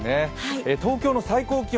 東京の最高気温